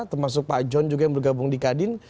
termasuk pak john juga yang bergabung di kadin